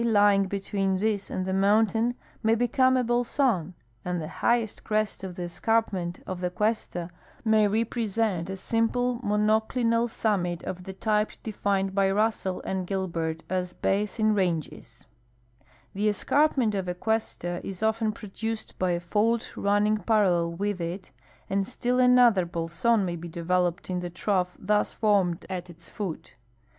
296 TOPOGRAPHIC TERMS OF SPANISH AMERICA lying between this and the mountain may become a bolson, and the highest crest of the escarpment of the cuesta may represent a sim})le monoclinal summit of the type defined by Russell and Gilbert as " basin ranges." The escarpment of a cuesta is often produced by a fault running parallel with it, and still another bolson may be developed in the trough thus formed at its foot.